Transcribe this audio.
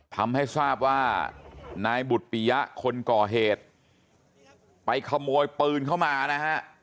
ทำให้ทราบว่านายบุตปิยะคนก่อเหตุไปขโมยปืนเข้ามานะฮะ